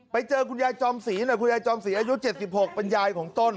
ไปเจอคุณยายจอมศรีหน่อยคุณยายจอมศรีอายุ๗๖เป็นยายของต้น